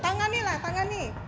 tangan nih lah tangan nih